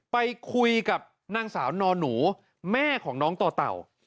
ไปคุยกับนางสาวนอนหนูแม่ของน้องต่อเต่า